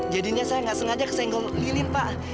jadinya saya nggak sengaja kesenggol lilin pak